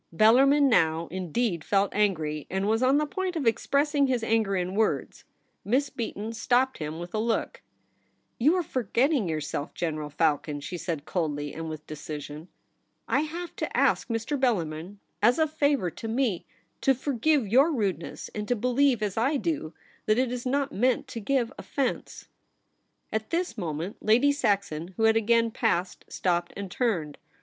Bellarmin now, indeed, felt angry, and was on the point of expressing his anger in words Miss Beaton stopped him with a look. 'IF YOU WERE queen: 95 * You are forgetting yourself, General Fal con/ she said coldly and with decision. * I have to ask Mr. Bellarmin, as a favour to me, to forgive your rudeness, and to be lieve, as I do, that it is not meant to give offence.' At this moment Lady Saxon, who had again passed, stopped and turned.